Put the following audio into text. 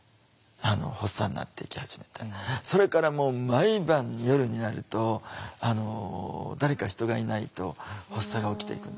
それからもう毎晩夜になると誰か人がいないと発作が起きていくんですよ。